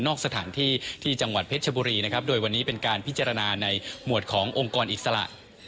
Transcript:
สถานที่ที่จังหวัดเพชรชบุรีนะครับโดยวันนี้เป็นการพิจารณาในหมวดขององค์กรอิสระ